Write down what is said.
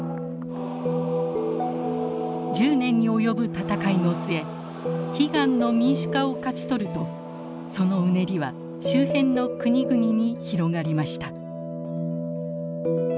１０年に及ぶ闘いの末悲願の民主化を勝ち取るとそのうねりは周辺の国々に広がりました。